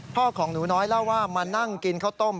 ของหนูน้อยเล่าว่ามานั่งกินข้าวต้ม